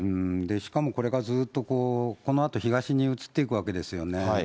しかもこれがずっとこのあと東に移っていくわけですよね。